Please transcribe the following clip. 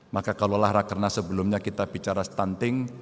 maka kalau lahrakernas sebelumnya kita bicara stunting